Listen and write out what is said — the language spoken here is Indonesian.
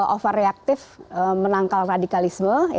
overreactive menangkal radikalisme